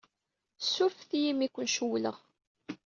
Ssurfet-iyi imi ay ken-cewwleɣ.